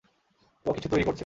ও কিছু তৈরি করছে।